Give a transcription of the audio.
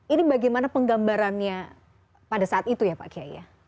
ini bagaimana penggambarannya pada saat itu ya pak kiai